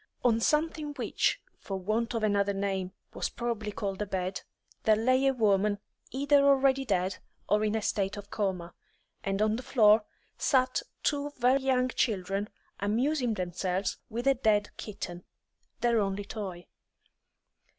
On something which, for want of another name, was probably called a bed, there lay a woman either already dead or in a state of coma, and on the floor sat two very young children, amusing themselves with a dead kitten, their only toy.